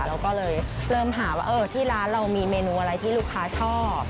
เราก็เลยเริ่มหาว่าที่ร้านเรามีเมนูอะไรที่ลูกค้าชอบ